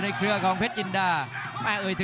รับทราบบรรดาศักดิ์